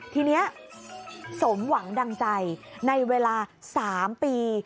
ทีนี้สมหวังดังใจในเวลา๓ปี